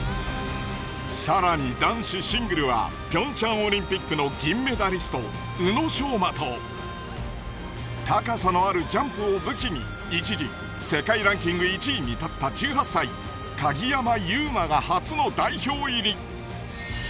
更に男子シングルはピョンチャンオリンピックの銀メダリスト宇野昌磨と高さのあるジャンプを武器に一時世界ランキング１位に立った１８歳鍵山優真が初の代表入り。